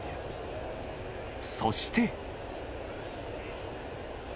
そして。